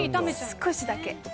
少しだけ。